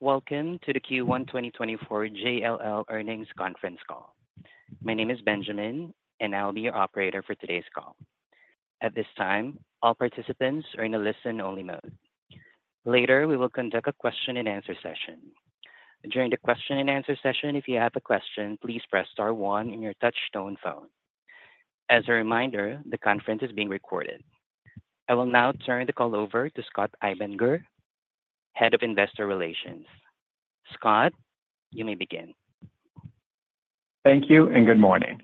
Welcome to the Q1 2024 JLL Earnings Conference Call. My name is Benjamin, and I'll be your operator for today's call. At this time, all participants are in a listen-only mode. Later, we will conduct a question-and-answer session. During the question-and-answer session, if you have a question, please press star one on your touchtone phone. As a reminder, the conference is being recorded. I will now turn the call over to Scott Einberger, Head of Investor Relations. Scott, you may begin. Thank you, and good morning.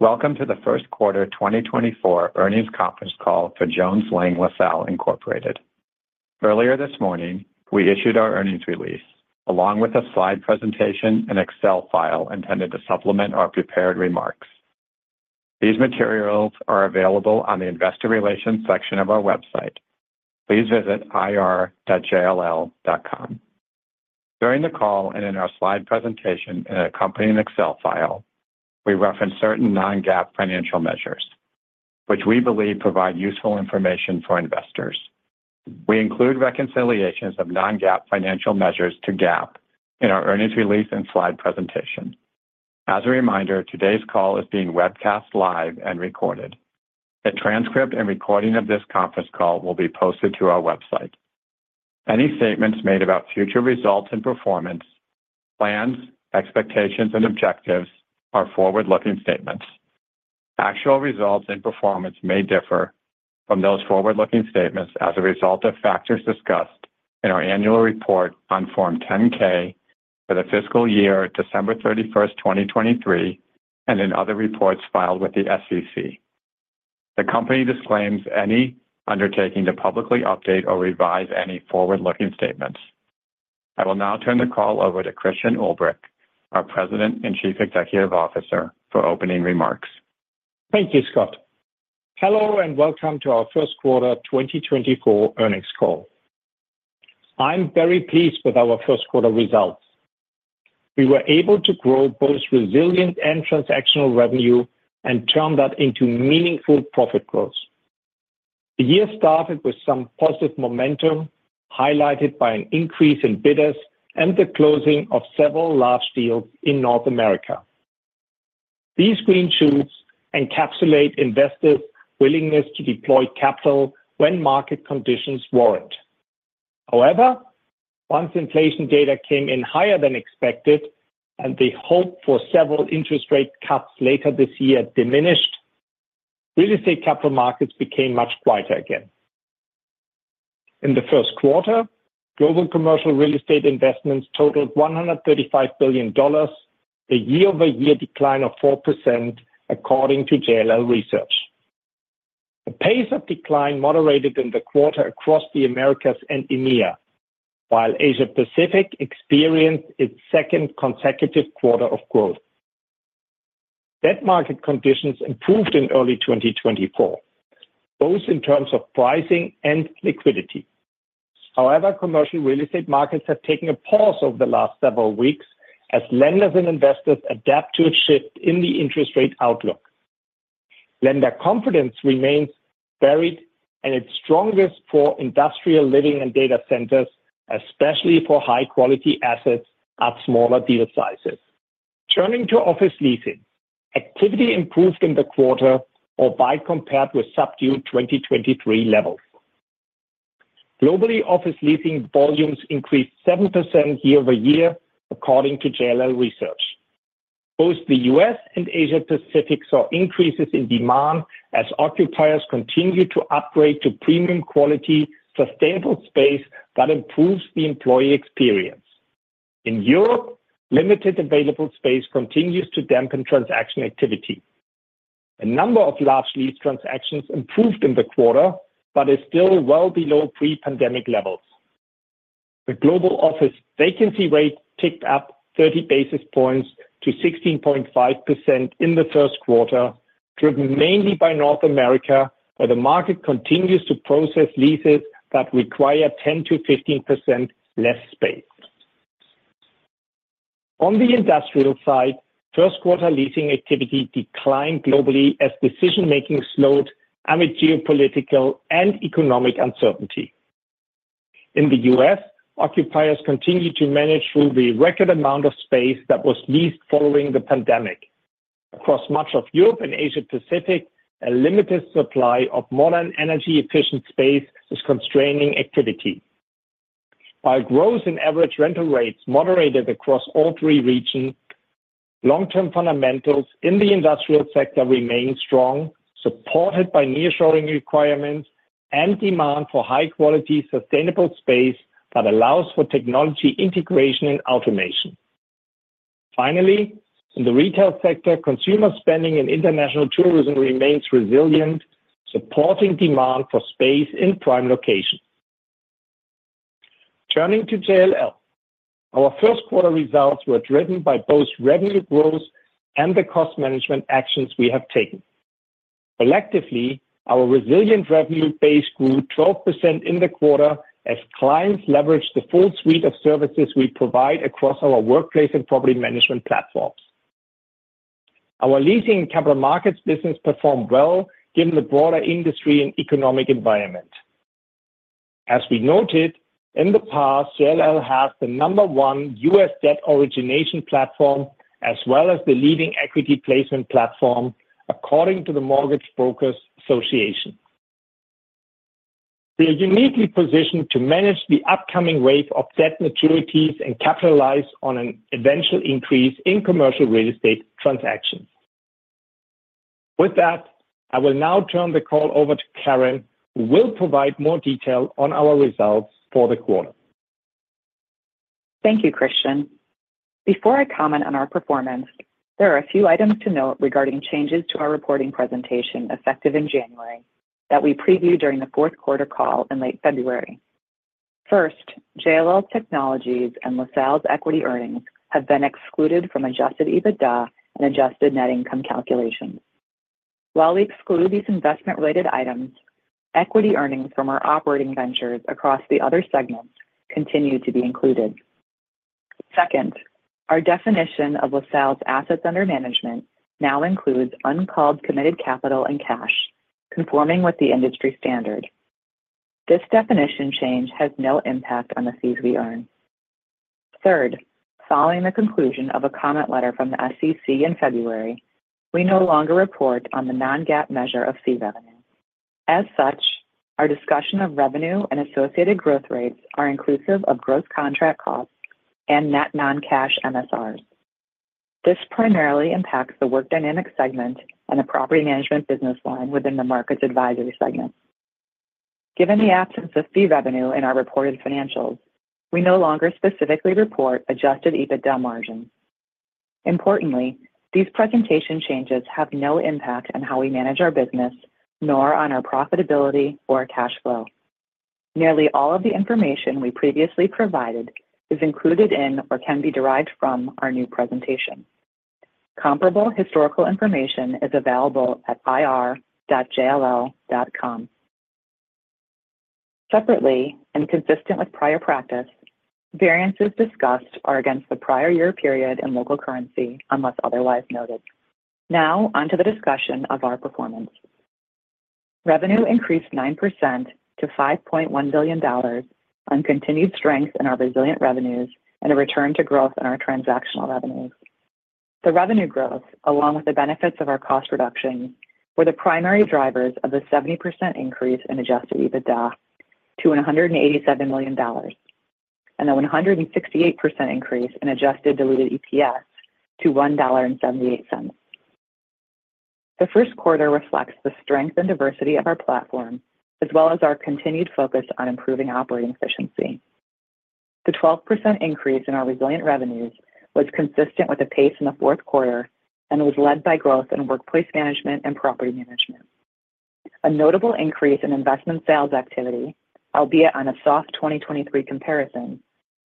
Welcome to the first quarter 2024 earnings conference call for Jones Lang LaSalle Incorporated. Earlier this morning, we issued our earnings release, along with a slide presentation and Excel file intended to supplement our prepared remarks. These materials are available on the Investor Relations section of our website. Please visit ir.jll.com. During the call, and in our slide presentation, and accompanying Excel file, we reference certain non-GAAP financial measures, which we believe provide useful information for investors. We include reconciliations of non-GAAP financial measures to GAAP in our earnings release and slide presentation. As a reminder, today's call is being webcast live and recorded. A transcript and recording of this conference call will be posted to our website. Any statements made about future results and performance, plans, expectations, and objectives are forward-looking statements. Actual results and performance may differ from those forward-looking statements as a result of factors discussed in our annual report on Form 10-K for the fiscal year, December 31st, 2023, and in other reports filed with the SEC. The company disclaims any undertaking to publicly update or revise any forward-looking statements. I will now turn the call over to Christian Ulbrich, our President and Chief Executive Officer, for opening remarks. Thank you, Scott. Hello, and welcome to our first quarter 2024 earnings call. I'm very pleased with our first quarter results. We were able to grow both resilient and transactional revenue and turn that into meaningful profit growth. The year started with some positive momentum, highlighted by an increase in bidders and the closing of several large deals in North America. These green shoots encapsulate investors' willingness to deploy capital when market conditions warrant. However, once inflation data came in higher than expected and the hope for several interest rate cuts later this year diminished, real estate Capital Markets became much quieter again. In the first quarter, global commercial real estate investments totaled $135 billion, a year-over-year decline of 4%, according to JLL Research. The pace of decline moderated in the quarter across the Americas and EMEA, while Asia Pacific experienced its second consecutive quarter of growth. Debt market conditions improved in early 2024, both in terms of pricing and liquidity. However, commercial real estate markets have taken a pause over the last several weeks as lenders and investors adapt to a shift in the interest rate outlook. Lender confidence remains varied and its strongest for industrial, living and data centers, especially for high-quality assets at smaller deal sizes. Turning to office leasing. Activity improved in the quarter, or by compared with subdued 2023 levels. Globally, office leasing volumes increased 7% year-over-year, according to JLL Research. Both the US and Asia Pacific saw increases in demand as occupiers continued to upgrade to premium quality, sustainable space that improves the employee experience. In Europe, limited available space continues to dampen transaction activity. A number of large lease transactions improved in the quarter, but is still well below pre-pandemic levels. The global office vacancy rate ticked up 30 basis points to 16.5% in the first quarter, driven mainly by North America, where the market continues to process leases that require 10%-15% less space. On the industrial side, first quarter leasing activity declined globally as decision-making slowed amid geopolitical and economic uncertainty. In the US, occupiers continued to manage through the record amount of space that was leased following the pandemic. Across much of Europe and Asia Pacific, a limited supply of modern, energy-efficient space is constraining activity. While growth in average rental rates moderated across all three regions, long-term fundamentals in the industrial sector remained strong, supported by nearshoring requirements and demand for high-quality, sustainable space that allows for technology integration and automation. Finally, in the retail sector, consumer spending and international tourism remains resilient, supporting demand for space in prime locations. Turning to JLL, our first quarter results were driven by both revenue growth and the cost management actions we have taken. Excluding, our resilient revenue base grew 12% in the quarter as clients leveraged the full suite of services we provide across our workplace and Property Management platforms. Our leasing Capital Markets business performed well given the broader industry and economic environment. As we noted in the past, JLL has the number one U.S. debt origination platform, as well as the leading equity placement platform, according to the Mortgage Brokers Association. We are uniquely positioned to manage the upcoming wave of debt maturities and capitalize on an eventual increase in commercial real estate transactions. With that, I will now turn the call over to Karen, who will provide more detail on our results for the quarter. Thank you, Christian. Before I comment on our performance, there are a few items to note regarding changes to our reporting presentation effective in January, that we previewed during the fourth quarter call in late February. First, JLL Technologies and LaSalle's equity earnings have been excluded from Adjusted EBITDA and adjusted net income calculations. While we exclude these investment-related items, equity earnings from our operating ventures across the other segments continue to be included. Second, our definition of LaSalle's assets under management now includes uncalled, committed capital and cash, conforming with the industry standard. This definition change has no impact on the fees we earn. Third, following the conclusion of a comment letter from the SEC in February, we no longer report on the non-GAAP measure of fee revenue. As such, our discussion of revenue and associated growth rates are inclusive of gross contract costs and net non-cash MSRs. This primarily impacts the Work Dynamics segment and the Property Management business line within the Markets Advisory segment. Given the absence of fee revenue in our reported financials, we no longer specifically report Adjusted EBITDA margins. Importantly, these presentation changes have no impact on how we manage our business, nor on our profitability or cash flow. Nearly all of the information we previously provided is included in or can be derived from our new presentation. Comparable historical information is available at ir.jll.com. Separately, and consistent with prior practice, variances discussed are against the prior year period in local currency, unless otherwise noted. Now, on to the discussion of our performance. Revenue increased 9% to $5.1 billion on continued strength in our resilient revenues and a return to growth in our transactional revenues. The revenue growth, along with the benefits of our cost reduction, were the primary drivers of the 70% increase in adjusted EBITDA to $187 million, and a 168% increase in adjusted diluted EPS to $1.78. The first quarter reflects the strength and diversity of our platform, as well as our continued focus on improving operating efficiency. The 12% increase in our resilient revenues was consistent with the pace in the fourth quarter, and was led by growth in Workplace Management and Property Management. A notable increase in investment sales activity, albeit on a soft 2023 comparison,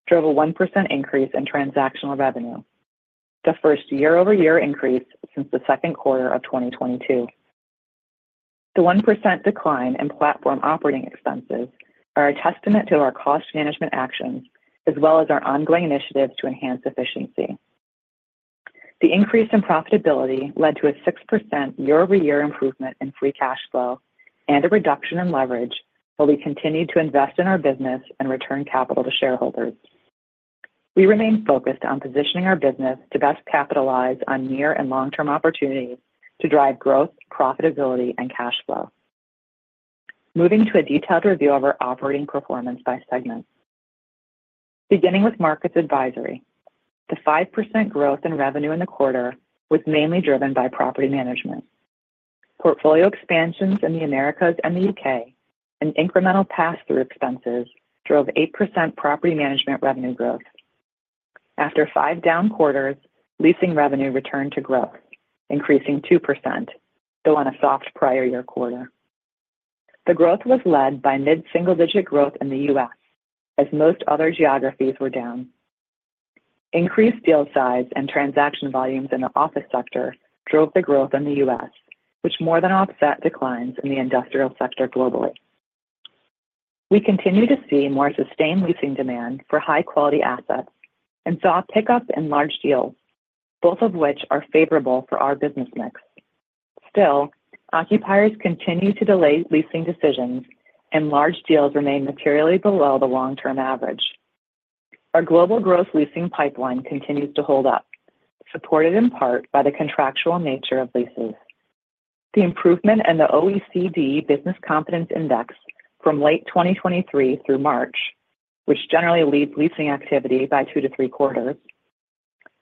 drove a 1% increase in transactional revenue, the first year-over-year increase since the second quarter of 2022. The 1% decline in platform operating expenses are a testament to our cost management actions, as well as our ongoing initiatives to enhance efficiency. The increase in profitability led to a 6% year-over-year improvement in free cash flow and a reduction in leverage, while we continued to invest in our business and return capital to shareholders. We remain focused on positioning our business to best capitalize on near and long-term opportunities to drive growth, profitability, and cash flow. Moving to a detailed review of our operating performance by segment. Beginning with Markets Advisory, the 5% growth in revenue in the quarter was mainly driven by Property Management. Portfolio expansions in the Americas and the UK, and incremental pass-through expenses drove 8% Property Management revenue growth. After 5 down quarters, leasing revenue returned to growth, increasing 2%, though on a soft prior year quarter. The growth was led by mid-single-digit growth in the U.S., as most other geographies were down. Increased deal size and transaction volumes in the office sector drove the growth in the U.S., which more than offset declines in the industrial sector globally. We continue to see more sustained leasing demand for high-quality assets and saw a pickup in large deals, both of which are favorable for our business mix. Still, occupiers continue to delay leasing decisions, and large deals remain materially below the long-term average. Our global growth leasing pipeline continues to hold up, supported in part by the contractual nature of leases. The improvement in the OECD Business Confidence Index from late 2023 through March, which generally leads leasing activity by two to three quarters,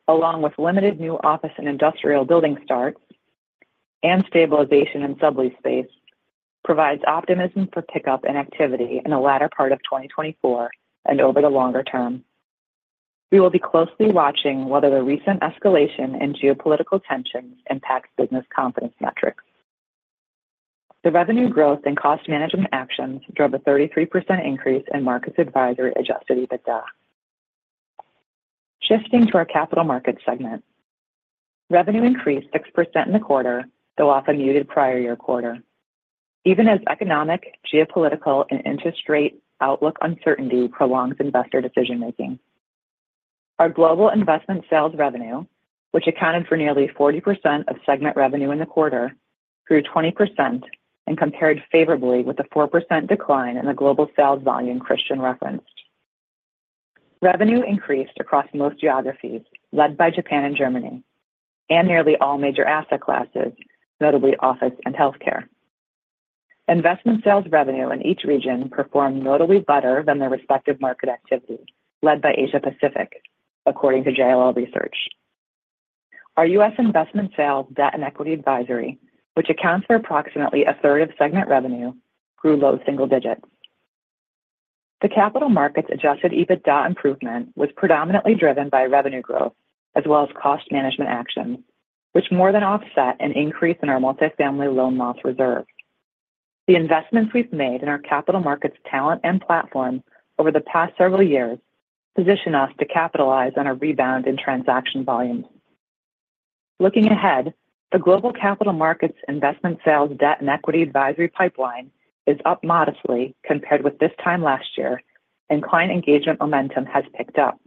along with limited new office and industrial building starts and stabilization in sublease space, provides optimism for pickup and activity in the latter part of 2024 and over the longer term. We will be closely watching whether the recent escalation in geopolitical tensions impacts business confidence metrics. The revenue growth and cost management actions drove a 33% increase in Markets Advisory adjusted EBITDA. Shifting to our Capital Markets segment. Revenue increased 6% in the quarter, though off a muted prior year quarter. Even as economic, geopolitical, and interest rate outlook uncertainty prolongs investor decision-making. Our global Investment Sales revenue, which accounted for nearly 40% of segment revenue in the quarter, grew 20% and compared favorably with a 4% decline in the global sales volume Christian referenced. Revenue increased across most geographies, led by Japan and Germany, and nearly all major asset classes, notably office and healthcare. Investment Sales revenue in each region performed notably better than their respective market activity, led by Asia Pacific, according to JLL Research. Our U.S. Investment Sales, Debt and Equity Advisory, which accounts for approximately a third of segment revenue, grew low single digits. The Capital Markets Adjusted EBITDA improvement was predominantly driven by revenue growth, as well as cost management actions, which more than offset an increase in our multifamily loan loss reserve. The investments we've made in our Capital Markets talent and platform over the past several years position us to capitalize on a rebound in transaction volumes. Looking ahead, the global Capital Markets investment sales, debt, and equity advisory pipeline is up modestly compared with this time last year, and client engagement momentum has picked up.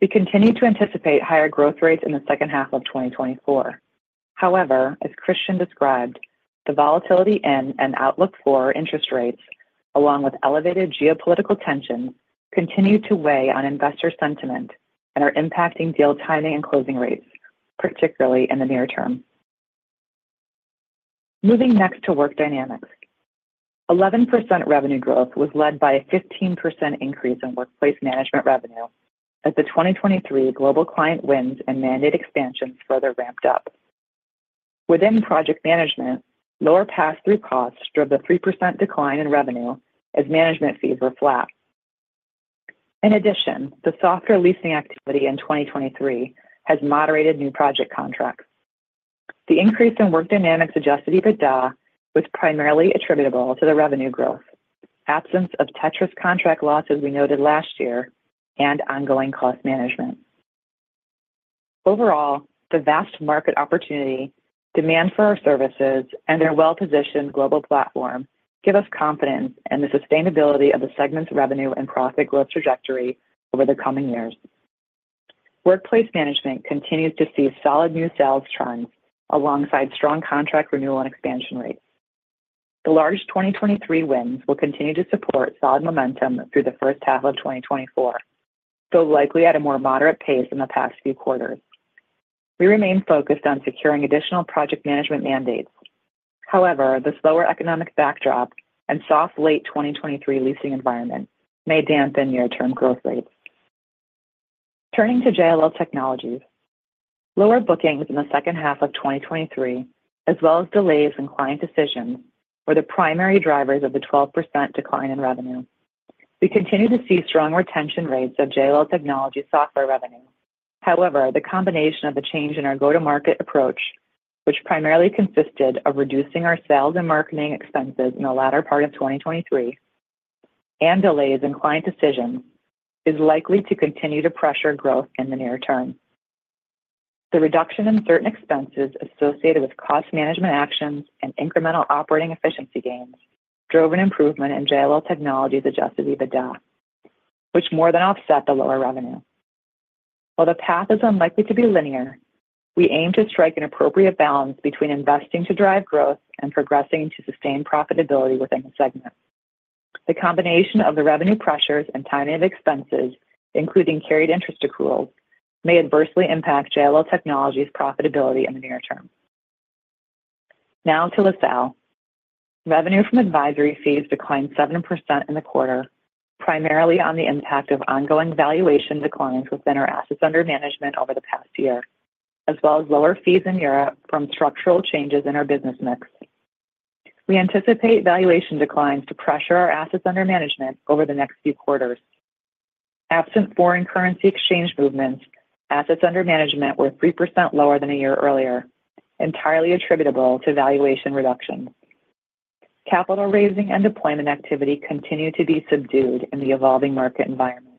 We continue to anticipate higher growth rates in the second half of 2024. However, as Christian described, the volatility in and outlook for interest rates, along with elevated geopolitical tensions, continue to weigh on investor sentiment and are impacting deal timing and closing rates, particularly in the near term. Moving next to Work Dynamics. 11% revenue growth was led by a 15% increase in Workplace Management revenue, as the 2023 global client wins and mandate expansions further ramped up. Within Project Management, lower pass-through costs drove a 3% decline in revenue as management fees were flat. In addition, the softer leasing activity in 2023 has moderated new project contracts. The increase in Work Dynamics Adjusted EBITDA was primarily attributable to the revenue growth, absence of Tétris contract losses we noted last year, and ongoing cost management. Overall, the vast market opportunity, demand for our services, and their well-positioned global platform give us confidence in the sustainability of the segment's revenue and profit growth trajectory over the coming years. Workplace Management continues to see solid new sales trends alongside strong contract renewal and expansion rates. The large 2023 wins will continue to support solid momentum through the first half of 2024, though likely at a more moderate pace than the past few quarters. We remain focused on securing additional Project Management mandates. However, the slower economic backdrop and soft late 2023 leasing environment may dampen near-term growth rates. Turning to JLL Technologies. Lower bookings in the second half of 2023, as well as delays in client decisions, were the primary drivers of the 12% decline in revenue. We continue to see strong retention rates of JLL Technologies software revenue. However, the combination of the change in our go-to-market approach, which primarily consisted of reducing our sales and marketing expenses in the latter part of 2023, and delays in client decisions, is likely to continue to pressure growth in the near term. The reduction in certain expenses associated with cost management actions and incremental operating efficiency gains drove an improvement in JLL Technologies's Adjusted EBITDA, which more than offset the lower revenue. While the path is unlikely to be linear, we aim to strike an appropriate balance between investing to drive growth and progressing to sustain profitability within the segment. The combination of the revenue pressures and timing of expenses, including carried interest accruals, may adversely impact JLL Technologies' profitability in the near term. Now to LaSalle. Revenue from advisory fees declined 7% in the quarter, primarily on the impact of ongoing valuation declines within our assets under management over the past year, as well as lower fees in Europe from structural changes in our business mix. We anticipate valuation declines to pressure our assets under management over the next few quarters. Absent foreign currency exchange movements, assets under management were 3% lower than a year earlier, entirely attributable to valuation reductions. Capital raising and deployment activity continued to be subdued in the evolving market environment,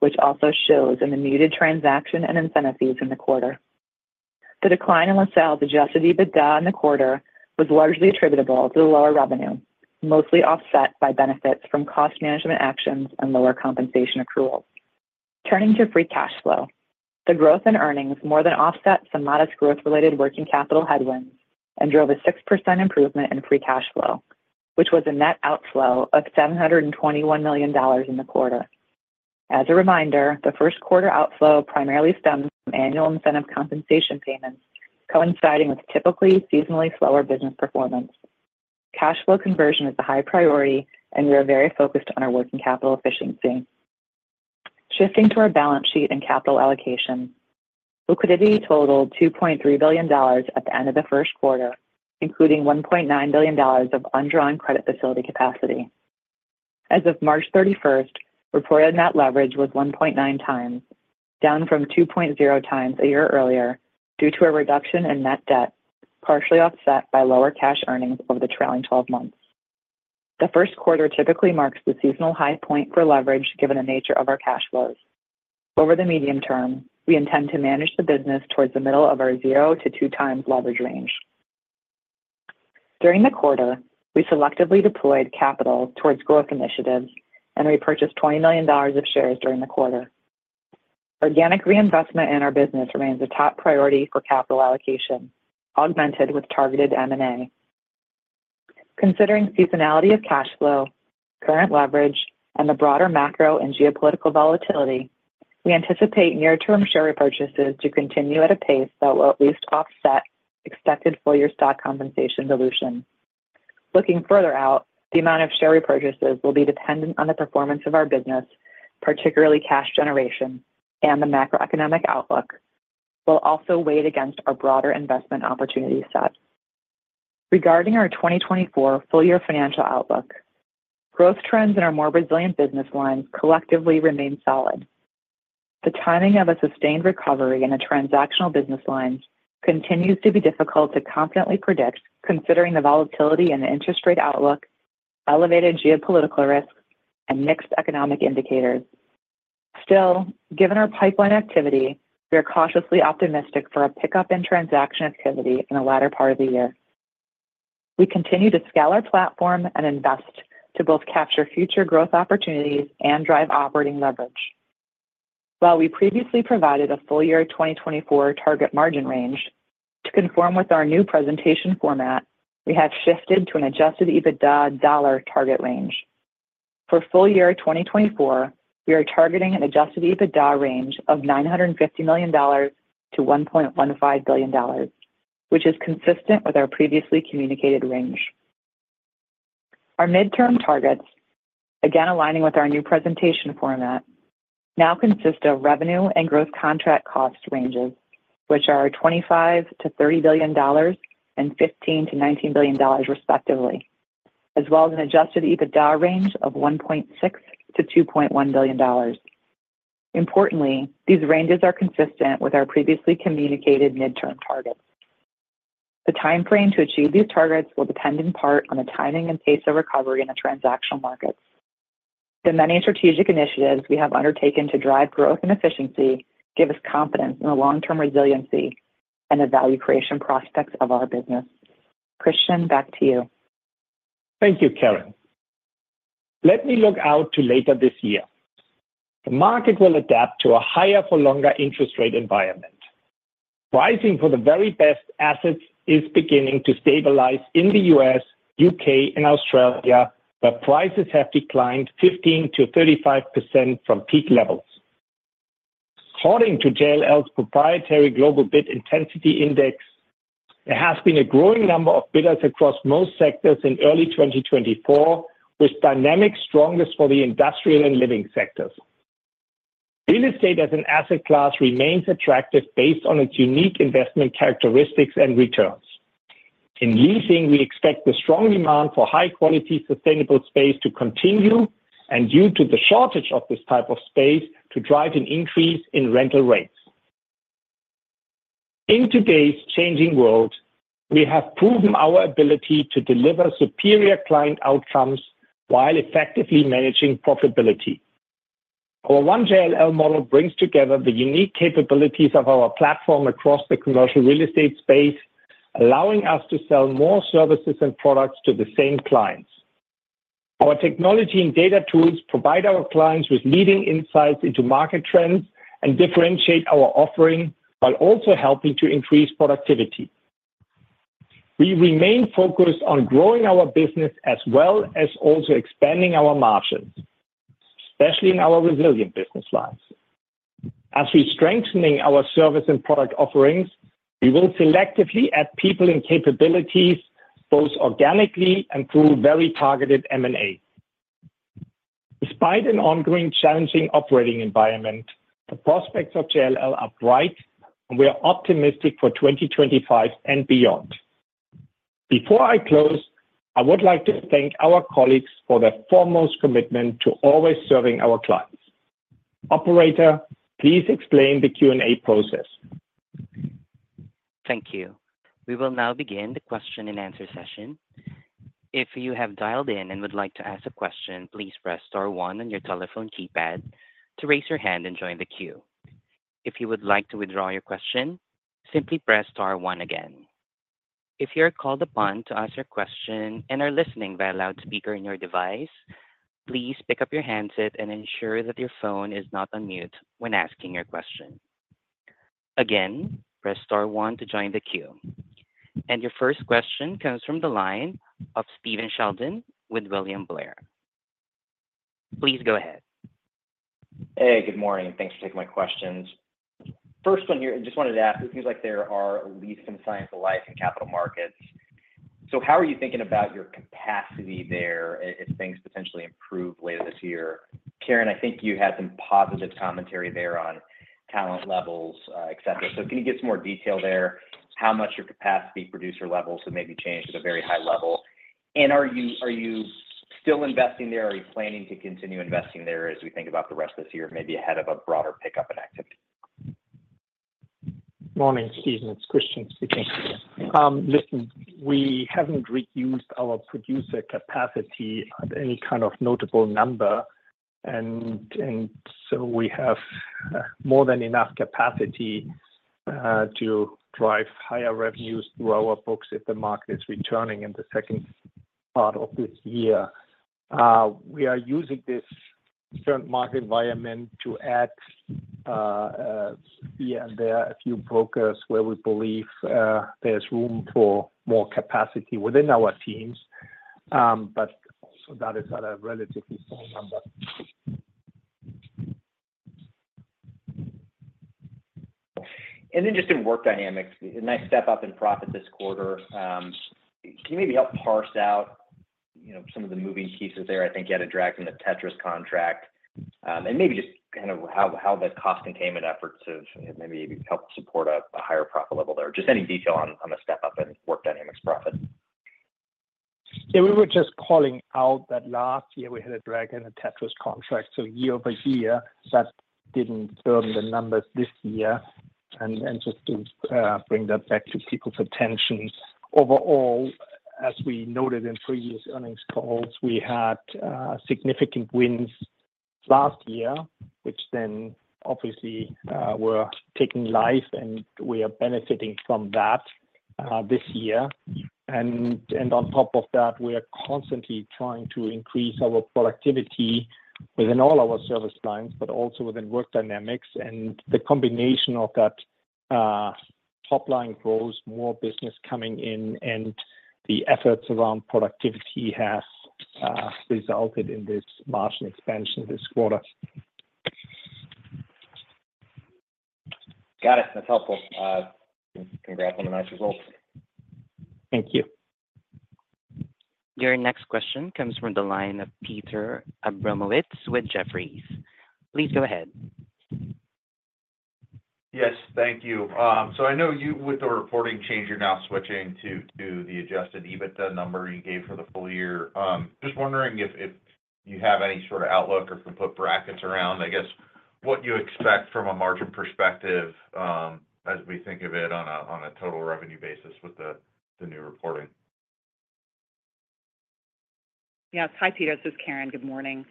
which also shows in the muted transaction and incentive fees in the quarter. The decline in LaSalle's Adjusted EBITDA in the quarter was largely attributable to the lower revenue, mostly offset by benefits from cost management actions and lower compensation accruals. Turning to free cash flow. The growth in earnings more than offset some modest growth-related working capital headwinds and drove a 6% improvement in free cash flow, which was a net outflow of $721 million in the quarter. As a reminder, the first quarter outflow primarily stems from annual incentive compensation payments coinciding with typically seasonally slower business performance. Cash flow conversion is a high priority, and we are very focused on our working capital efficiency. Shifting to our balance sheet and capital allocation. Liquidity totaled $2.3 billion at the end of the first quarter, including $1.9 billion of undrawn credit facility capacity. As of March thirty-first, reported net leverage was 1.9 times, down from 2.0 times a year earlier, due to a reduction in net debt, partially offset by lower cash earnings over the trailing twelve months. The first quarter typically marks the seasonal high point for leverage, given the nature of our cash flows. Over the medium term, we intend to manage the business towards the middle of our zero to two times leverage range. During the quarter, we selectively deployed capital towards growth initiatives and repurchased $20 million of shares during the quarter. Organic reinvestment in our business remains a top priority for capital allocation, augmented with targeted M&A. Considering seasonality of cash flow, current leverage, and the broader macro and geopolitical volatility, we anticipate near-term share repurchases to continue at a pace that will at least offset expected full-year stock compensation dilution. Looking further out, the amount of share repurchases will be dependent on the performance of our business, particularly cash generation, and the macroeconomic outlook will also weigh against our broader investment opportunity set. Regarding our 2024 full-year financial outlook, growth trends in our more resilient business lines collectively remain solid. The timing of a sustained recovery in the transactional business lines continues to be difficult to confidently predict, considering the volatility and the interest rate outlook, elevated geopolitical risks, and mixed economic indicators. Still, given our pipeline activity, we are cautiously optimistic for a pickup in transaction activity in the latter part of the year. We continue to scale our platform and invest to both capture future growth opportunities and drive operating leverage. While we previously provided a full year 2024 target margin range, to conform with our new presentation format, we have shifted to an adjusted EBITDA dollar target range. For full year 2024, we are targeting an adjusted EBITDA range of $950 million-$1.15 billion, which is consistent with our previously communicated range. Our midterm targets, again, aligning with our new presentation format, now consist of revenue and growth contract cost ranges, which are $25 billion-$30 billion and $15 billion-$19 billion, respectively, as well as an adjusted EBITDA range of $1.6 billion-$2.1 billion. Importantly, these ranges are consistent with our previously communicated midterm targets. The time frame to achieve these targets will depend in part on the timing and pace of recovery in the transactional markets. The many strategic initiatives we have undertaken to drive growth and efficiency give us confidence in the long-term resiliency and the value creation prospects of our business. Christian, back to you. Thank you, Karen. Let me look out to later this year. The market will adapt to a higher for longer interest rate environment. Pricing for the very best assets is beginning to stabilize in the U.S., U.K., and Australia, where prices have declined 15%-35% from peak levels. According to JLL's proprietary Global Bid Intensity Index, there has been a growing number of bidders across most sectors in early 2024, with dynamics strongest for the industrial and living sectors. Real estate as an asset class remains attractive based on its unique investment characteristics and returns. In leasing, we expect the strong demand for high-quality, sustainable space to continue, and due to the shortage of this type of space, to drive an increase in rental rates. In today's changing world, we have proven our ability to deliver superior client outcomes while effectively managing profitability. Our One JLL model brings together the unique capabilities of our platform across the commercial real estate space, allowing us to sell more services and products to the same clients. Our technology and data tools provide our clients with leading insights into market trends and differentiate our offering, while also helping to increase productivity. We remain focused on growing our business as well as also expanding our margins, especially in our resilient business lines. As we're strengthening our service and product offerings, we will selectively add people and capabilities both organically and through very targeted M&A. Despite an ongoing challenging operating environment, the prospects of JLL are bright, and we are optimistic for 2025 and beyond. Before I close, I would like to thank our colleagues for their foremost commitment to always serving our clients. Operator, please explain the Q&A process. Thank you. We will now begin the question-and-answer session. If you have dialed in and would like to ask a question, please press star one on your telephone keypad to raise your hand and join the queue. If you would like to withdraw your question, simply press star one again. If you are called upon to ask your question and are listening by loudspeaker in your device, please pick up your handset and ensure that your phone is not on mute when asking your question. Again, press star one to join the queue. Your first question comes from the line of Stephen Sheldon with William Blair. Please go ahead. Hey, good morning. Thanks for taking my questions. First one here, I just wanted to ask, it seems like there are at least some signs of life in Capital Markets. So how are you thinking about your capacity there as things potentially improve later this year? Karen, I think you had some positive commentary there on talent levels, et cetera. So can you give some more detail there? How much your capacity producer levels have maybe changed at a very high level, and are you-- are you still investing there? Are you planning to continue investing there as we think about the rest of this year, maybe ahead of a broader pickup in activity? ... Morning, Steven, it's Christian speaking. Listen, we haven't reduced our producer capacity at any kind of notable number, and so we have more than enough capacity to drive higher revenues through our books if the market is returning in the second part of this year. We are using this current market environment to add, yeah, there are a few brokers where we believe there's room for more capacity within our teams. But also that is at a relatively small number. Then just in Work Dynamics, a nice step up in profit this quarter. Can you maybe help parse out, you know, some of the moving pieces there? I think you had to drag in the Tétris contract. And maybe just kind of how that cost containment effort to maybe help support a higher profit level there. Just any detail on the step up in Work Dynamics profit. Yeah, we were just calling out that last year we had to drag in a Tétris contract, so year-over-year, that didn't firm the numbers this year. And just to bring that back to people's attention. Overall, as we noted in previous earnings calls, we had significant wins last year, which then obviously were taking life, and we are benefiting from that this year. And on top of that, we are constantly trying to increase our productivity within all our service lines, but also within Work Dynamics. And the combination of that top line growth, more business coming in, and the efforts around productivity has resulted in this margin expansion this quarter. Got it. That's helpful. Congrats on the nice results. Thank you. Your next question comes from the line of Peter Abramowitz with Jefferies. Please go ahead. Yes, thank you. So I know, with the reporting change, you're now switching to the Adjusted EBITDA number you gave for the full year. Just wondering if you have any sort of outlook or can put brackets around, I guess, what you expect from a margin perspective, as we think of it on a total revenue basis with the new reporting. Yes. Hi, Peter, this is Karen. Good morning.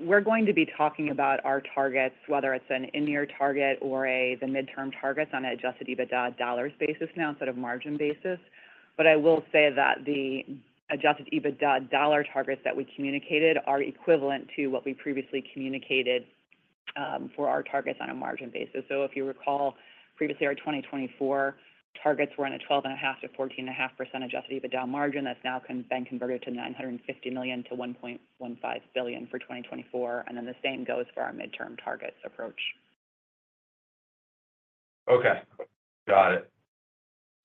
We're going to be talking about our targets, whether it's an in-year target or the midterm targets on an Adjusted EBITDA dollars basis now instead of margin basis. But I will say that the Adjusted EBITDA dollar targets that we communicated are equivalent to what we previously communicated for our targets on a margin basis. So if you recall, previously, our 2024 targets were on a 12.5%-14.5% Adjusted EBITDA margin. That's now been converted to $950 million-$1.15 billion for 2024, and then the same goes for our midterm targets approach. Okay. Got it.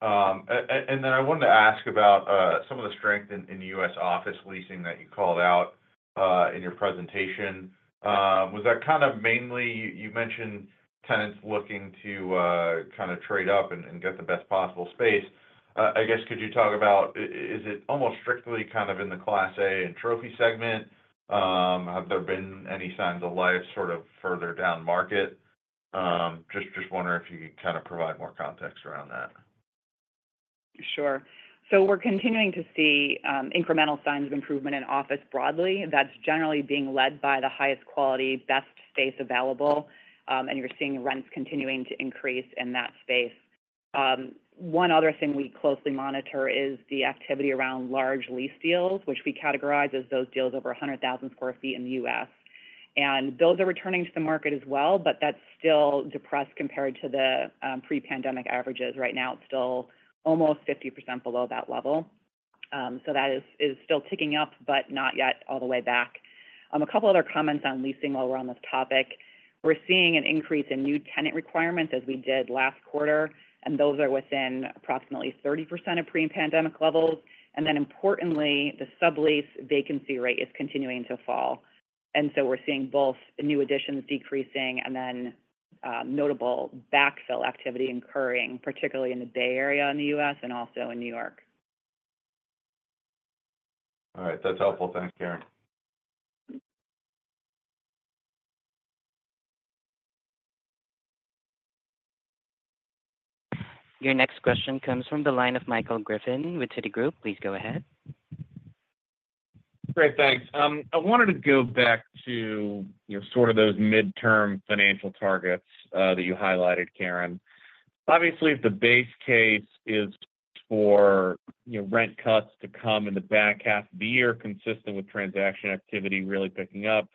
And then I wanted to ask about some of the strength in the U.S. office leasing that you called out in your presentation. Was that kind of mainly... You mentioned tenants looking to kind of trade up and get the best possible space. I guess could you talk about, is it almost strictly kind of in the Class A and trophy segment? Have there been any signs of life sort of further down market? Just wondering if you could kind of provide more context around that. Sure. So we're continuing to see incremental signs of improvement in office broadly. That's generally being led by the highest quality, best space available, and you're seeing rents continuing to increase in that space. One other thing we closely monitor is the activity around large lease deals, which we categorize as those deals over 100,000 sq ft in the U.S. And those are returning to the market as well, but that's still depressed compared to the pre-pandemic averages. Right now, it's still almost 50% below that level. So that is still ticking up, but not yet all the way back. A couple other comments on leasing while we're on this topic. We're seeing an increase in new tenant requirements, as we did last quarter, and those are within approximately 30% of pre-pandemic levels. Then importantly, the sublease vacancy rate is continuing to fall. So we're seeing both new additions decreasing and then notable backfill activity occurring, particularly in the Bay Area in the U.S. and also in New York. All right. That's helpful. Thanks, Karen. Your next question comes from the line of Michael Griffin with Citi. Please go ahead. Great. Thanks. I wanted to go back to, you know, sort of those midterm financial targets that you highlighted, Karen. Obviously, the base case is for, you know, rent cuts to come in the back half of the year, consistent with transaction activity really picking up.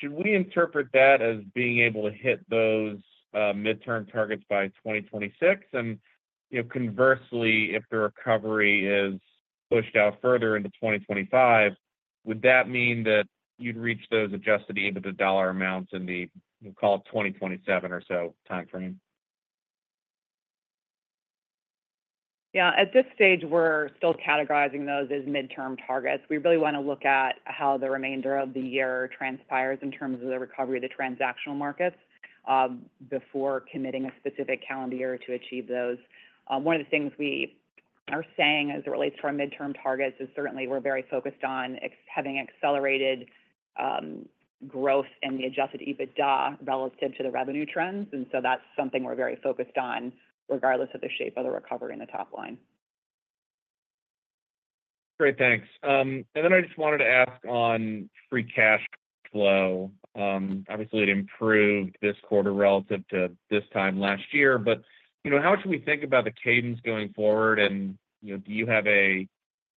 Should we interpret that as being able to hit those midterm targets by 2026? And, you know, conversely, if the recovery is pushed out further into 2025, would that mean that you'd reach those Adjusted EBITDA dollar amounts in the, we'll call it, 2027 or so timeframe? Yeah. At this stage, we're still categorizing those as midterm targets. We really want to look at how the remainder of the year transpires in terms of the recovery of the transactional markets before committing a specific calendar year to achieve those. One of the things we are saying as it relates to our midterm targets is certainly we're very focused on having accelerated growth in the Adjusted EBITDA relative to the revenue trends. And so that's something we're very focused on, regardless of the shape of the recovery in the top line. Great, thanks. And then I just wanted to ask on Free Cash Flow. Obviously, it improved this quarter relative to this time last year, but you know, how much do we think about the cadence going forward? And you know, do you have a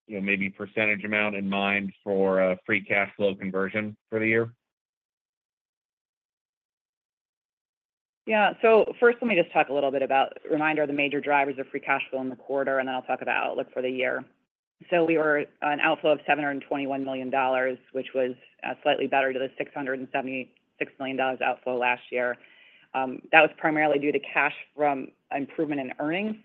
you know, maybe percentage amount in mind for Free Cash Flow conversion for the year? Yeah. So first, let me just talk a little bit about a reminder of the major drivers of Free Cash Flow in the quarter, and then I'll talk about outlook for the year. So we were an outflow of $721 million, which was slightly better than the $676 million outflow last year. That was primarily due to cash from improvement in earnings,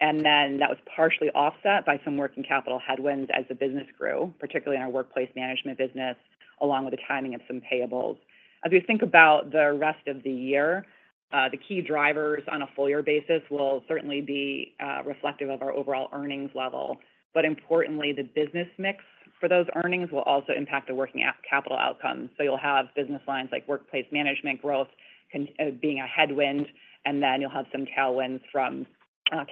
and then that was partially offset by some working capital headwinds as the business grew, particularly in our Workplace Management business, along with the timing of some payables. As we think about the rest of the year, the key drivers on a full year basis will certainly be reflective of our overall earnings level. But importantly, the business mix for those earnings will also impact the working capital outcome. So you'll have business lines like Workplace Management growth being a headwind, and then you'll have some tailwinds from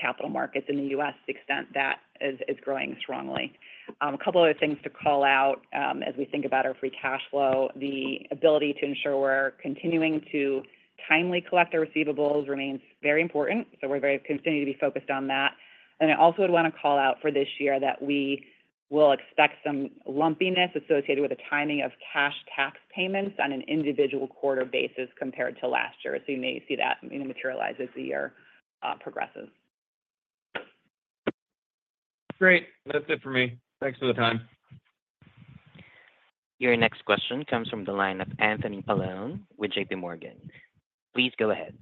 Capital Markets in the U.S., the extent that is, is growing strongly. A couple other things to call out, as we think about our Free Cash Flow, the ability to ensure we're continuing to timely collect our receivables remains very important, so we're very continuing to be focused on that. And I also would wanna call out for this year that we will expect some lumpiness associated with the timing of cash tax payments on an individual quarter basis compared to last year. So you may see that materialize as the year progresses. Great. That's it for me. Thanks for the time. Your next question comes from the line of Anthony Paolone with JPMorgan. Please go ahead.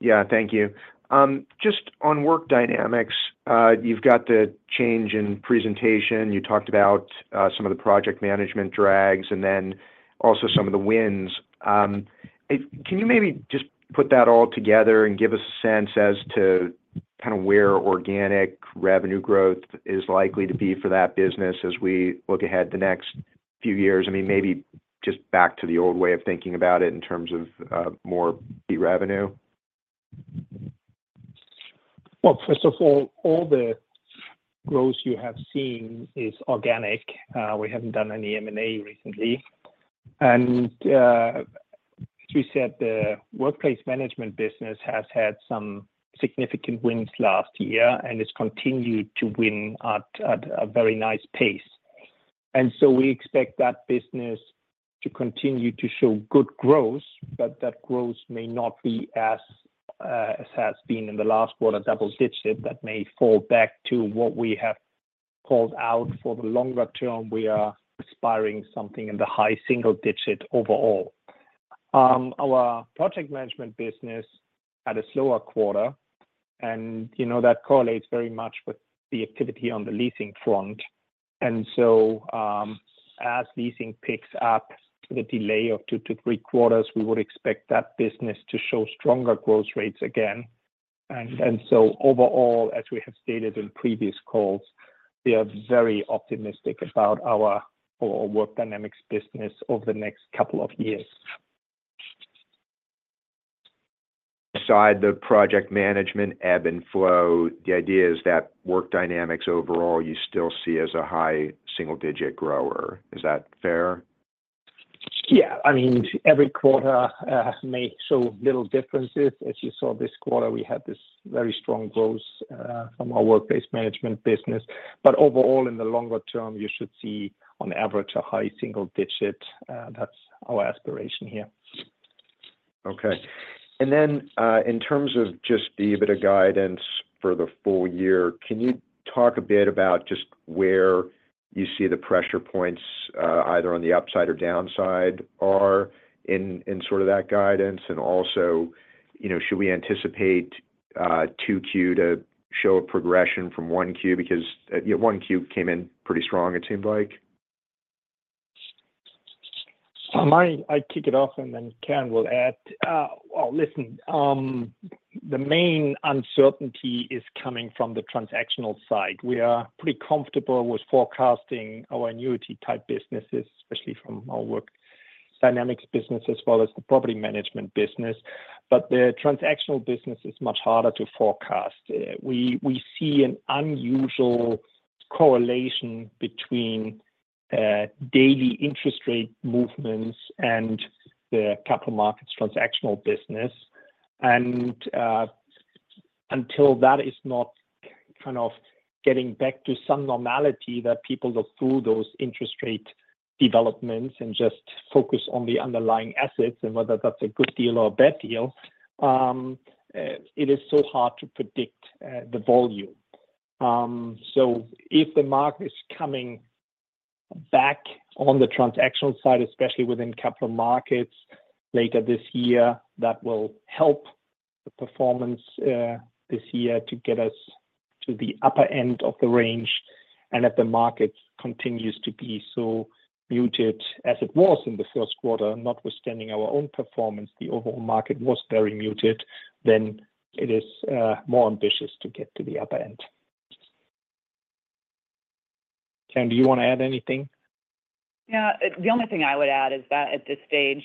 Yeah, thank you. Just on Work Dynamics, you've got the change in presentation. You talked about some of the project management drags and then also some of the wins. Can you maybe just put that all together and give a sense as to kinda where organic revenue growth is likely to be for that business as we look ahead the next few years? I mean, maybe just back to the old way of thinking about it in terms of more revenue. Well, first of all, all the growth you have seen is organic. We haven't done any M&A recently. And, as we said, the Workplace Management business has had some significant wins last year, and it's continued to win at a very nice pace. And so we expect that business to continue to show good growth, but that growth may not be as as has been in the last quarter, double-digit, that may fall back to what we have called out for the longer term, we are aspiring something in the high single-digit overall. Our project management business had a slower quarter, and, you know, that correlates very much with the activity on the leasing front. And so, as leasing picks up the delay of two to three quarters, we would expect that business to show stronger growth rates again. So overall, as we have stated in previous calls, we are very optimistic about our Work Dynamics business over the next couple of years. Besides the Project Management, ebb and flow, the idea is that Work Dynamics overall, you still see as a high single-digit grower. Is that fair? Yeah. I mean, every quarter may show little differences. As you saw this quarter, we had this very strong growth from our Workplace Management business. But overall, in the longer term, you should see, on average, a high single digit. That's our aspiration here. Okay. And then, in terms of just the EBITDA guidance for the full year, can you talk a bit about just where you see the pressure points, either on the upside or downside are in, in sort of that guidance? And also, you know, should we anticipate, 2Q to show a progression from 1Q? Because, 1Q came in pretty strong, it seemed like? I kick it off, and then Karen will add. Well, listen, the main uncertainty is coming from the transactional side. We are pretty comfortable with forecasting our annuity-type businesses, especially from our Work Dynamics business, as well as the Property Management business. But the transactional business is much harder to forecast. We see an unusual correlation between daily interest rate movements and the Capital Markets transactional business. And until that is not kind of getting back to some normality that people look through those interest rate developments and just focus on the underlying assets and whether that's a good deal or a bad deal, it is so hard to predict the volume. So if the market is coming back on the transactional side, especially within Capital Markets later this year, that will help the performance this year to get us to the upper end of the range... and if the market continues to be so muted as it was in the first quarter, notwithstanding our own performance, the overall market was very muted, then it is more ambitious to get to the upper end. Karen, do you want to add anything? Yeah, the only thing I would add is that at this stage,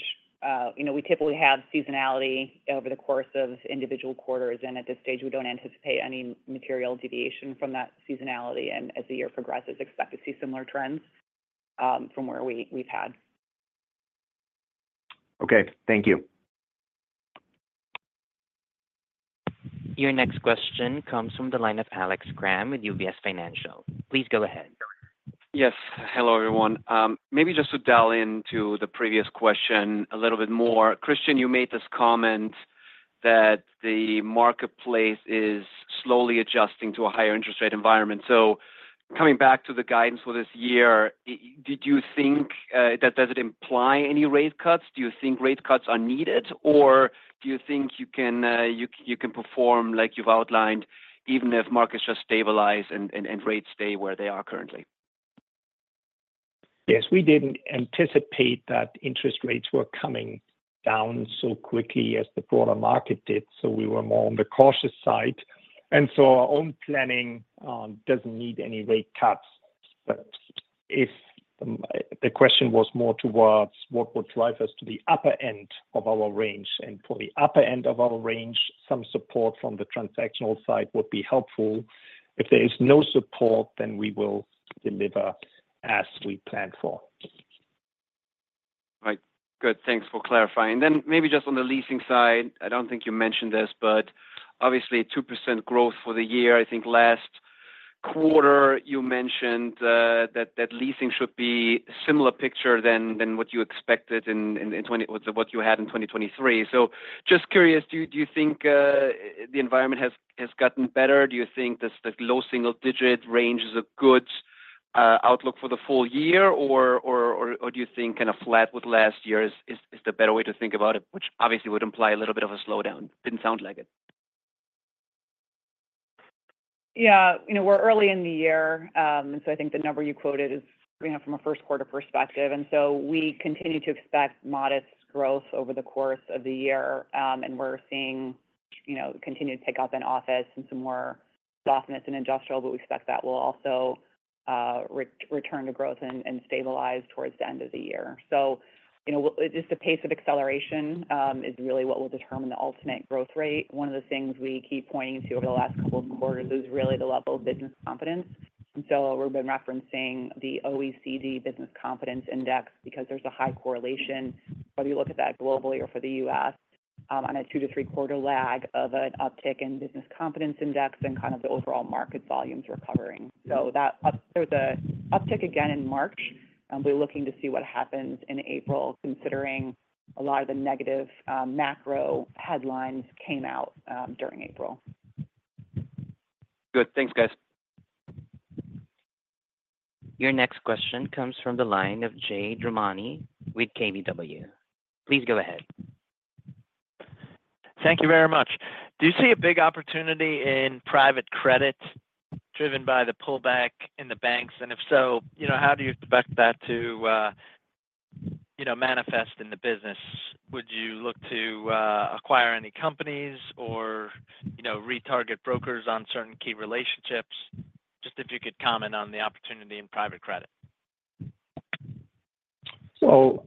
you know, we typically have seasonality over the course of individual quarters, and at this stage, we don't anticipate any material deviation from that seasonality. And as the year progresses, expect to see similar trends, from where we've had. Okay, thank you. Your next question comes from the line of Alex Kramm with UBS Financial. Please go ahead. Yes. Hello, everyone. Maybe just to delve into the previous question a little bit more. Christian, you made this comment that the marketplace is slowly adjusting to a higher interest rate environment. So coming back to the guidance for this year, did you think does it imply any rate cuts? Do you think rate cuts are needed, or do you think you can perform like you've outlined, even if markets just stabilize and rates stay where they are currently? Yes, we didn't anticipate that interest rates were coming down so quickly as the broader market did, so we were more on the cautious side. And so our own planning doesn't need any rate cuts. But if the question was more towards what would drive us to the upper end of our range, and for the upper end of our range, some support from the transactional side would be helpful. If there is no support, then we will deliver as we planned for. Right. Good, thanks for clarifying. Then, maybe just on the leasing side, I don't think you mentioned this, but obviously, a 2% growth for the year. I think last quarter, you mentioned that leasing should be similar picture than what you expected in what you had in 2023. So just curious, do you think the environment has gotten better? Do you think this, the low single-digit range is a good outlook for the full year? Or do you think kind of flat with last year is the better way to think about it, which obviously would imply a little bit of a slowdown? Didn't sound like it. Yeah. You know, we're early in the year, and so I think the number you quoted is, you know, from a first quarter perspective. And so we continue to expect modest growth over the course of the year. And we're seeing, you know, continued pickup in office and some more softness in industrial, but we expect that will also return to growth and stabilize towards the end of the year. So, you know, just the pace of acceleration is really what will determine the ultimate growth rate. One of the things we keep pointing to over the last couple of quarters is really the level of business confidence. We've been referencing the OECD Business Confidence Index, because there's a high correlation, whether you look at that globally or for the U.S., on a two to three quarter lag of an uptick in business confidence index and kind of the overall market volumes recovering. So there was an uptick again in March, and we're looking to see what happens in April, considering a lot of the negative macro headlines came out during April. Good. Thanks, guys. Your next question comes from the line of Jade Rahmani with KBW. Please go ahead. Thank you very much. Do you see a big opportunity in private credit driven by the pullback in the banks? And if so, you know, how do you expect that to, you know, manifest in the business? Would you look to, acquire any companies or, you know, retarget brokers on certain key relationships? Just if you could comment on the opportunity in private credit. So,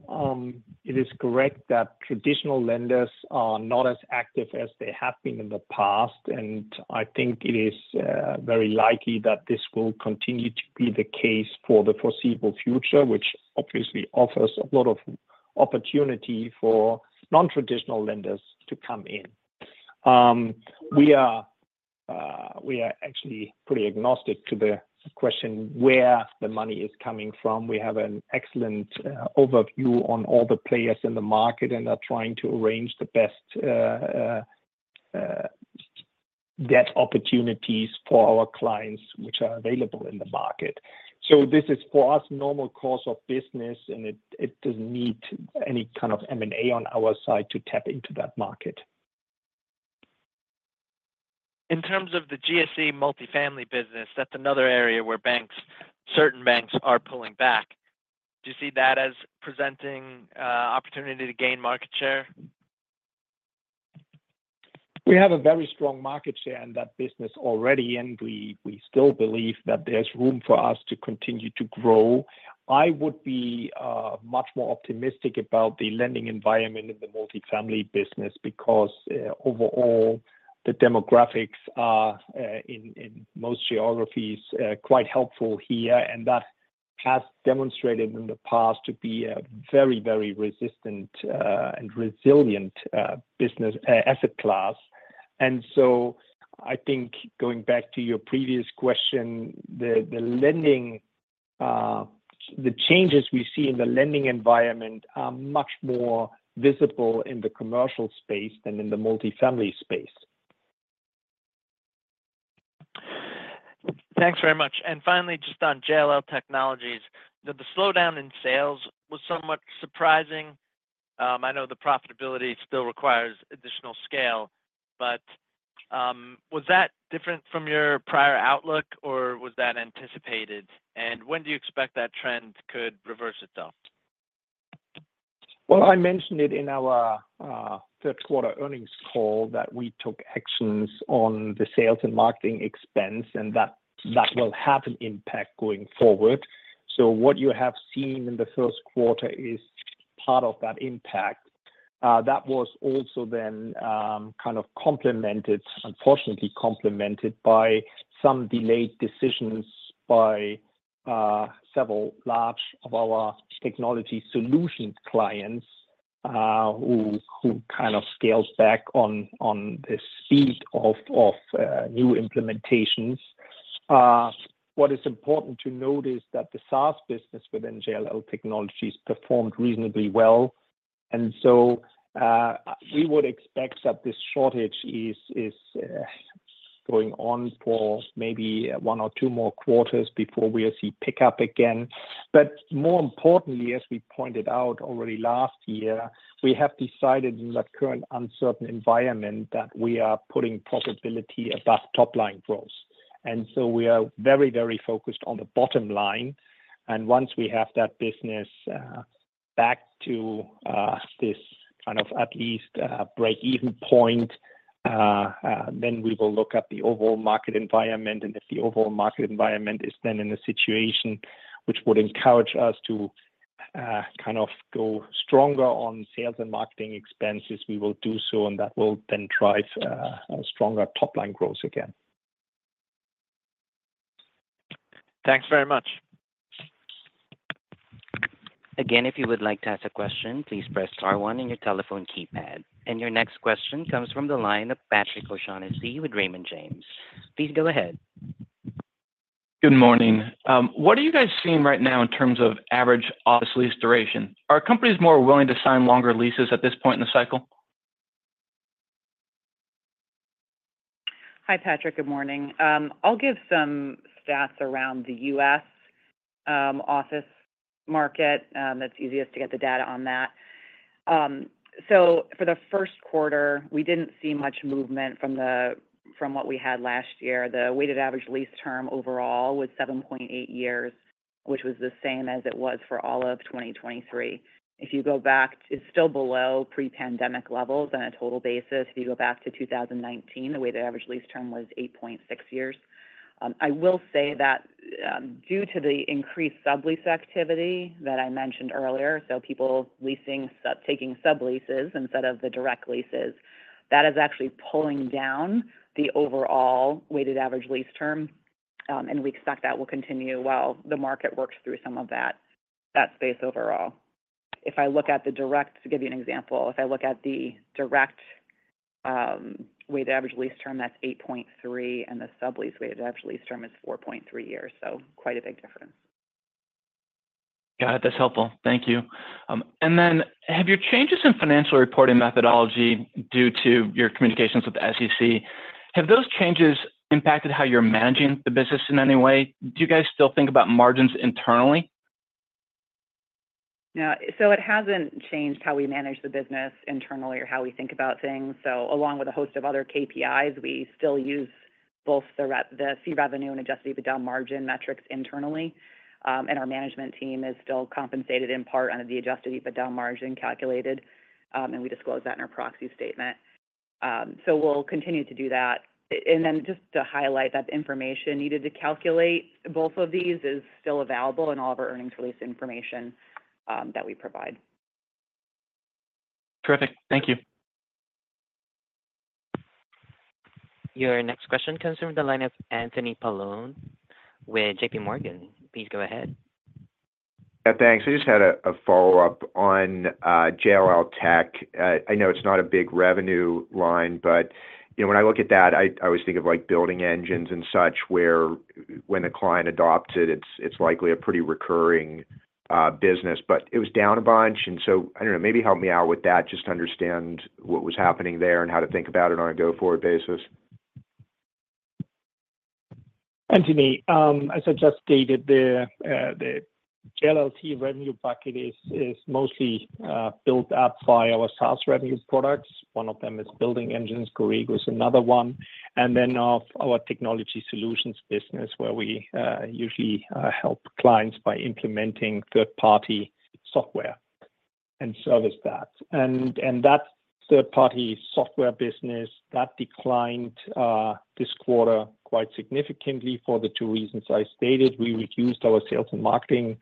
it is correct that traditional lenders are not as active as they have been in the past, and I think it is very likely that this will continue to be the case for the foreseeable future, which obviously offers a lot of opportunity for non-traditional lenders to come in. We are actually pretty agnostic to the question where the money is coming from. We have an excellent overview on all the players in the market, and are trying to arrange the best debt opportunities for our clients, which are available in the market. So this is, for us, normal course of business, and it doesn't need any kind of M&A on our side to tap into that market. In terms of the GSE multifamily business, that's another area where banks, certain banks are pulling back. Do you see that as presenting opportunity to gain market share? We have a very strong market share in that business already, and we still believe that there's room for us to continue to grow. I would be much more optimistic about the lending environment in the multifamily business, because overall, the demographics are in most geographies quite helpful here, and that has demonstrated in the past to be a very, very resistant and resilient business asset class. And so I think going back to your previous question, the lending, the changes we see in the lending environment are much more visible in the commercial space than in the multifamily space. Thanks very much. And finally, just on JLL Technologies, the slowdown in sales was somewhat surprising. I know the profitability still requires additional scale, but was that different from your prior outlook, or was that anticipated? And when do you expect that trend could reverse itself? Well, I mentioned it in our third quarter earnings call, that we took actions on the sales and marketing expense, and that, that will have an impact going forward. So what you have seen in the first quarter is part of that impact. That was also then kind of complemented, unfortunately complemented by some delayed decisions by several large of our technology solution clients, who kind of scaled back on the speed of new implementations. What is important to note is that the SaaS business within JLL Technologies performed reasonably well, and so we would expect that this shortage is going on for maybe one or two more quarters before we'll see pick-up again. But more importantly, as we pointed out already last year, we have decided in the current uncertain environment that we are putting profitability above top line growth. And so we are very, very focused on the bottom line, and once we have that business back to this kind of at least breakeven point, then we will look at the overall market environment. And if the overall market environment is then in a situation which would encourage us to kind of go stronger on sales and marketing expenses, we will do so, and that will then drive a stronger top line growth again. Thanks very much. Again, if you would like to ask a question, please press star one on your telephone keypad. Your next question comes from the line of Patrick O'Shaughnessy with Raymond James. Please go ahead. Good morning. What are you guys seeing right now in terms of average office lease duration? Are companies more willing to sign longer leases at this point in the cycle? Hi, Patrick. Good morning. I'll give some stats around the U.S. office market, that's easiest to get the data on that. So for the first quarter, we didn't see much movement from what we had last year. The Weighted Average Lease Term overall was 7.8 years, which was the same as it was for all of 2023. If you go back, it's still below pre-pandemic levels on a total basis. If you go back to 2019, the Weighted Average Lease Term was 8.6 years. I will say that, due to the increased sublease activity that I mentioned earlier, so people leasing, taking subleases instead of the direct leases, that is actually pulling down the overall weighted average lease term, and we expect that will continue while the market works through some of that, that space overall. To give you an example, if I look at the direct weighted average lease term, that's 8.3, and the sublease weighted average lease term is 4.3 years, so quite a big difference. Got it. That's helpful. Thank you. And then have your changes in financial reporting methodology due to your communications with the SEC, have those changes impacted how you're managing the business in any way? Do you guys still think about margins internally? Yeah. So it hasn't changed how we manage the business internally or how we think about things. So along with a host of other KPIs, we still use both the fee revenue and Adjusted EBITDA margin metrics internally. And our management team is still compensated in part under the Adjusted EBITDA margin calculated, and we disclose that in our proxy statement. So we'll continue to do that. And then just to highlight that the information needed to calculate both of these is still available in all of our earnings release information that we provide. Terrific. Thank you. Your next question comes from the line of Anthony Paolone with JPMorgan. Please go ahead. Yeah, thanks. I just had a follow-up on JLL Tech. I know it's not a big revenue line, but, you know, when I look at that, I always think of, like, Building Engines and such, where when a client adopts it, it's likely a pretty recurring business. But it was down a bunch, and so I don't know, maybe help me out with that, just to understand what was happening there and how to think about it on a go-forward basis. Anthony, as I just stated, the JLLT revenue bucket is mostly built up by our SaaS revenue products. One of them is Building Engines. Corrigo is another one. And then, our technology solutions business, where we usually help clients by implementing third-party software and service that. And that third-party software business, that declined this quarter quite significantly for the two reasons I stated. We reduced our sales and marketing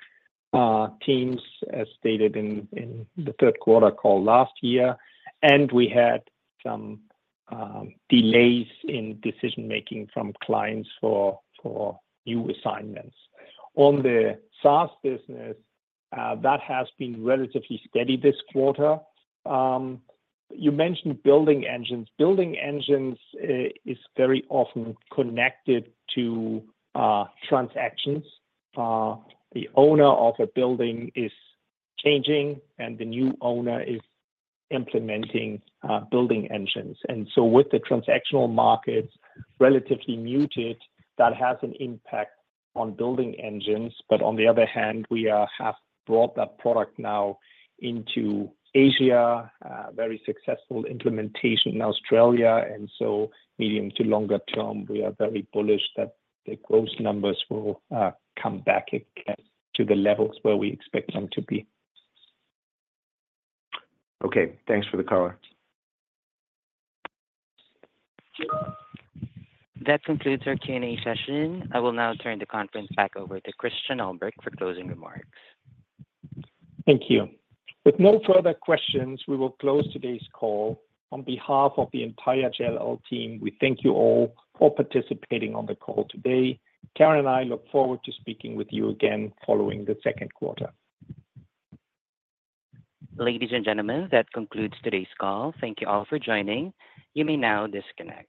teams, as stated in the third quarter call last year, and we had some delays in decision-making from clients for new assignments. On the SaaS business, that has been relatively steady this quarter. You mentioned Building Engines. Building Engines is very often connected to transactions. The owner of a building is changing, and the new owner is implementing Building Engines. With the transactional markets relatively muted, that has an impact on Building Engines. But on the other hand, we have brought that product now into Asia, very successful implementation in Australia. Medium to longer term, we are very bullish that the growth numbers will come back again to the levels where we expect them to be. Okay, thanks for the color. That concludes our Q&A session. I will now turn the conference back over to Christian Ulbrich for closing remarks. Thank you. With no further questions, we will close today's call. On behalf of the entire JLL team, we thank you all for participating on the call today. Karen and I look forward to speaking with you again following the second quarter. Ladies and gentlemen, that concludes today's call. Thank you all for joining. You may now disconnect.